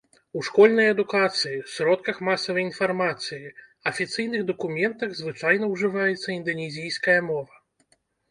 У школьнай адукацыі, сродках масавай інфармацыі, афіцыйных дакументах звычайна ўжываецца інданезійская мова.